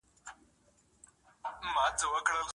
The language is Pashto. پخپل خنجر پاره پاره دي کړمه